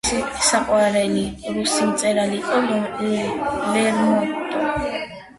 მისი საყვარელი რუსი მწერალი იყო ლერმონტოვი.